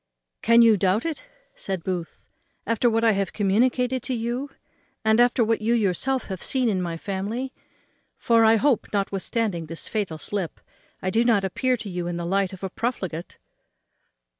"Can you doubt it," said Booth, "after what I have communicated to you, and after what you yourself have seen in my family? for I hope, notwithstanding this fatal slip, I do not appear to you in the light of a profligate."